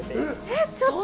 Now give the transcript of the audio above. えっ！？